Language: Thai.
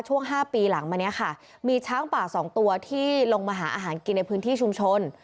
ช่วง๕ปีหลังมาเนี่ยค่ะมีช้างป่าสองตัวที่ลงมาหาอาหารกินในพื้นที่ชุมชน